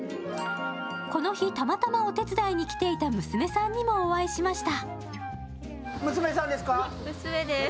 この日、たまたまお手伝いに来ていた娘さんにもお会いしました。